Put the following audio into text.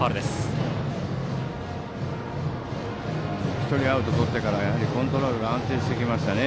１人アウトをとってからコントロールが安定してきましたね。